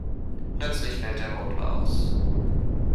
Plötzlich fällt der Motor aus.